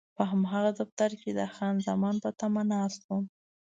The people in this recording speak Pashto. په هماغه دفتر کې د خان زمان په تمه ناست وم.